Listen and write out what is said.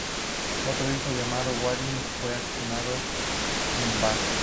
Otro hijo, llamado Walid, fue asesinado en Badr.